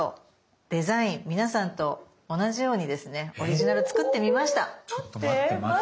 デザイン皆さんと同じようにですねオリジナル作ってみました。